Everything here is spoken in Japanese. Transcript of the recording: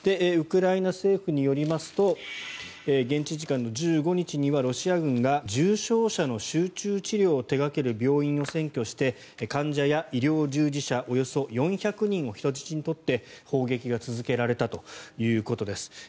ウクライナ政府によりますと現地時間の１５日にはロシア軍が重傷者の集中治療を手掛ける病院を占拠して患者や医療従事者およそ４００人を人質に取って砲撃が続けられたということです。